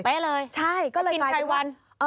ไปเลยต้องกินไฟวัน